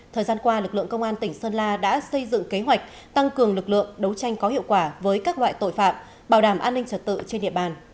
thời gian qua lực lượng công an tỉnh sơn la đã xây dựng kế hoạch tăng cường lực lượng đấu tranh có hiệu quả với các loại tội phạm bảo đảm an ninh trật tự trên địa bàn